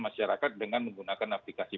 masyarakat dengan menggunakan aplikasi